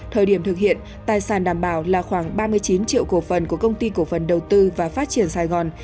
thời điểm thực hiện tài sản đảm bảo là khoảng ba mươi chín triệu cổ phần của công ty cổ phần đầu tư và phát triển sài gòn